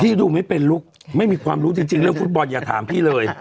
ดูไม่เป็นลุกไม่มีความรู้จริงเรื่องฟุตบอลอย่าถามพี่เลย